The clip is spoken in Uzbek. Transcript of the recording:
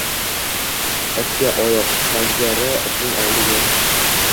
Itga - oyoq, panjara itning oldiga